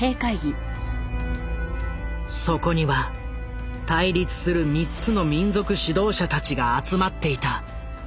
そこには対立する３つの民族指導者たちが集まっていた。